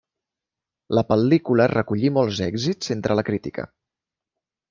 La pel·lícula recollí molts èxits entre la crítica.